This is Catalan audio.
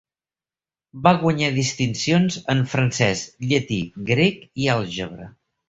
Va guanyar distincions en francès, llatí, grec i àlgebra.